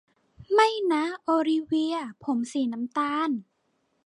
ไม่นะ โอลิเวียผมสีน้ำตาล